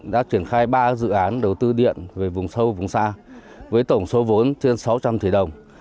đã triển khai ba dự án đầu tư điện về vùng sâu vùng xa với tổng số vốn trên sáu trăm linh tỷ đồng